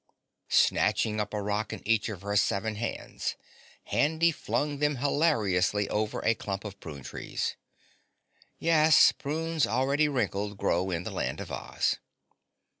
Snatching up a rock in each of her seven hands, Handy flung them hilariously over a clump of prune trees. (Yes, prunes already wrinkled grow in the Land of Oz.)